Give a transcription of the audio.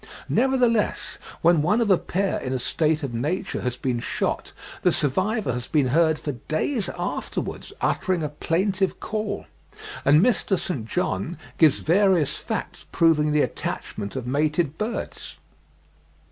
Nevertheless when one of a pair in a state of nature has been shot, the survivor has been heard for days afterwards uttering a plaintive call; and Mr. St. John gives various facts proving the attachment of mated birds.